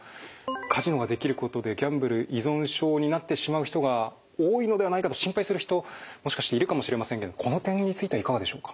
カジノができることでギャンブル依存症になってしまう人が多いのではないかと心配する人もしかしているかもしれませんけどこの点についてはいかがでしょうか。